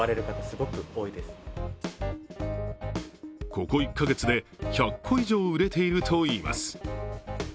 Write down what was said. ここ１か月で１００個以上売れているといいます。